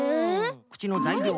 くちのざいりょう。